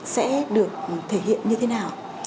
sẽ được thể hiện như thế nào